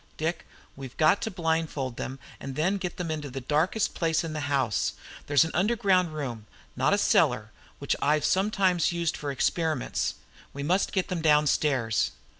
Dick, we've got to blindfold them, and then get them into the darkest place in this house. There's an underground room not a cellar which I've sometimes used for experiments. We must get them downstairs."